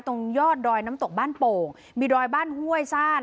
ตรงยอดดอยน้ำตกบ้านโป่งมีดอยบ้านห้วยซ่าน